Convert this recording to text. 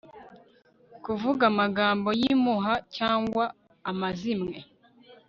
kuvuga amagambo y'impuha cyangwa amazimwe